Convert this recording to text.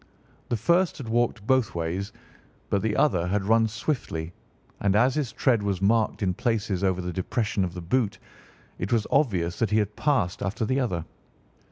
The first had walked both ways, but the other had run swiftly, and as his tread was marked in places over the depression of the boot, it was obvious that he had passed after the other.